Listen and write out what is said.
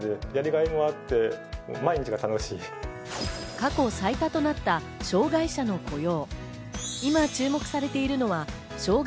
過去最多となった障害者の雇用。